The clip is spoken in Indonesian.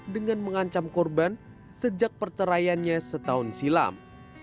dengan mengancam korban sejak perceraiannya setahun silam